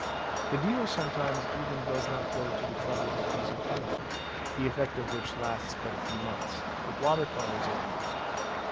The dealer sometimes — even does not go to the trouble of using chemicals, the effect of which lasts but a few months, but water colours are used.